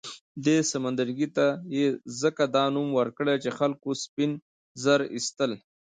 دې سمندرګي ته یې ځکه دا نوم ورکړ چې خلکو سپین زر اېستل.